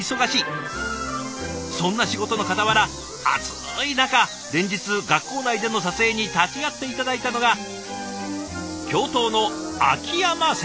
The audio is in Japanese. そんな仕事のかたわら暑い中連日学校内での撮影に立ち会って頂いたのが教頭の秋山先生。